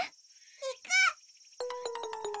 いく！